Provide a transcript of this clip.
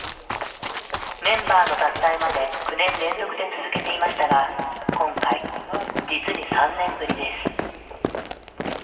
メンバーの脱退まで９年連続で続けていましたが今回実に３年ぶりです。